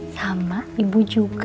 sama ibu juga